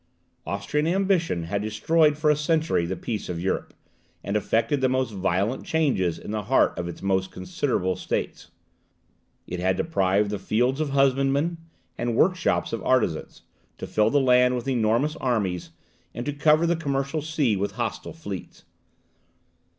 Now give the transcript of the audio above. Austrian ambition had destroyed for a century the peace of Europe, and effected the most violent changes in the heart of its most considerable states. It had deprived the fields of husbandmen, the workshops of artisans, to fill the land with enormous armies, and to cover the commercial sea with hostile fleets.